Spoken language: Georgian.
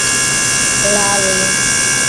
ლალი